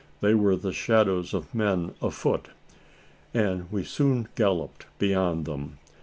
They were the shadows of men afoot; and we soon galloped beyond them.